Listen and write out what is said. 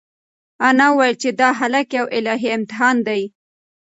انا وویل چې دا هلک یو الهي امتحان دی.